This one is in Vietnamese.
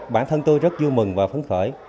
bản thân tôi rất vui mừng và phấn khởi